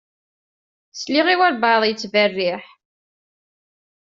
Sliɣ i walebɛaḍ yettberriḥ.